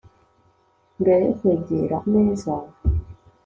mbere yo kwegera ameza